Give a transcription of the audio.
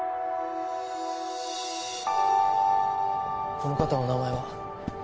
この方お名前は？